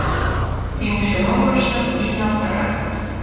Тӱҥшӧ могырыштым вийналтарат.